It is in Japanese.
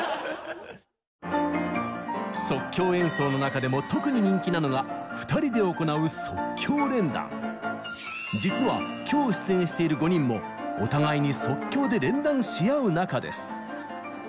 即興演奏の中でも特に人気なのが２人で行う実は今日出演している５人もお互いに即興で連弾し合う仲です。